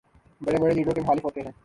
بڑے بڑے لیڈروں کے مخالف ہوتے ہیں۔